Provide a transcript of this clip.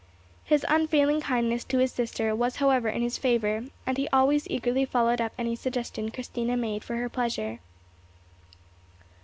His unfailing kindness to his sister was however in his favour, and he always eagerly followed up any suggestion Christina made for her pleasure.